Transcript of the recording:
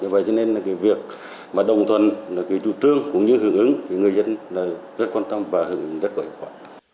vậy nên việc đồng thuận chủ trương cũng như hưởng ứng thì người dân rất quan tâm và hưởng ứng rất có hiệu quả